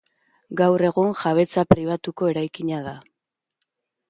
Gaur egun jabetza pribatuko eraikina da.